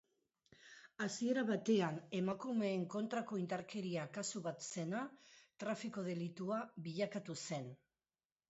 Hasiera batean emakumeen kontrako indarkeria kasu bat zena trafiko delitua bilakatu zen.